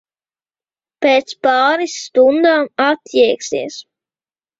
Pēc pāris stundām atjēgsies.